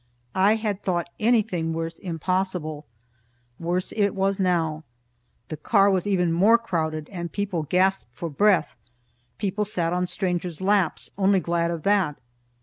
I had thought anything worse impossible. Worse it was now. The car was even more crowded, and people gasped for breath. People sat in strangers' laps, only glad of that.